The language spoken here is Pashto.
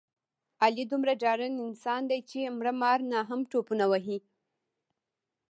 علي دومره ډارن انسان دی، چې مړه مار نه هم ټوپونه وهي.